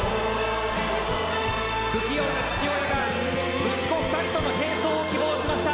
不器用が父親が、息子２人との並走を希望しました。